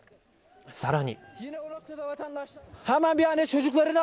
さらに。